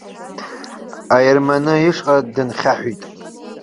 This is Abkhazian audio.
Аерманы ишҟа дынхьаҳәит.